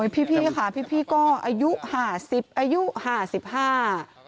พี่ค่ะพี่ก็อายุหาสิบอายุหาสิบห้า